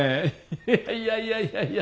いやいやいやいやいや。